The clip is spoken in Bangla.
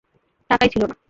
টাকাই ছিলো না।